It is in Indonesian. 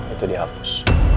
itu di hapus